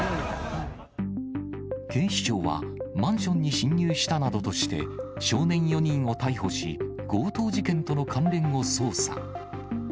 警視庁は、マンションに侵入したなどとして、少年４人を逮捕し、強盗事件との関連を捜査。